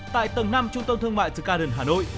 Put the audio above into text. tại tầng năm trung tâm thương mại the garden hà nội